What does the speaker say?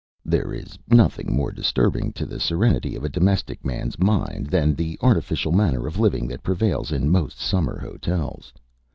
There is nothing more disturbing to the serenity of a domestic man's mind than the artificial manner of living that prevails in most summer hotels.